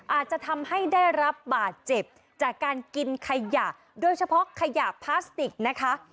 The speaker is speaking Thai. อาจจะทำให้ได้รับบาดเจ็บจากการกินขยะโดยเฉพาะขยะพลาสติกนะคะ